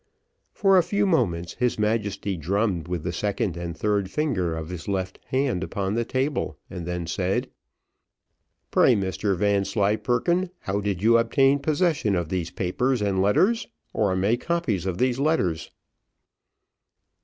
For a few moments his Majesty drummed with the second and third finger of his left hand upon the table, and then said "Pray, Mr Vanslyperken, how did you obtain possession of these papers and letters, or make copies of these letters?"